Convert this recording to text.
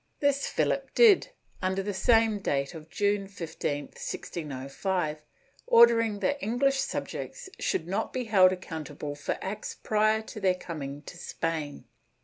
This Philip did, under the same date of June 15, 1605, ordering that English subjects should not be held accountable for acts prior to their coming to Spain.